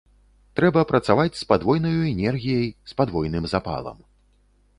Трэба працаваць з падвойнаю энергіяй, з падвойным запалам.